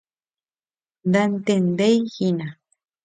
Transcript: Nantendeihína.